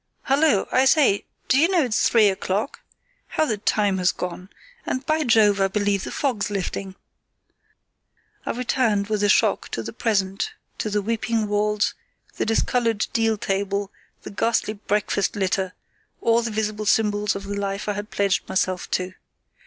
"Hullo! I say, do you know it's three o'clock? How the time has gone! And, by Jove! I believe the fog's lifting." I returned, with a shock, to the present, to the weeping walls, the discoloured deal table, the ghastly breakfast litter—all the visible symbols of the life I had pledged myself to.